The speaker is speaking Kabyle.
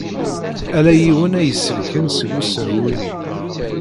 Ala yiwen ay iselken seg usehwu-nni.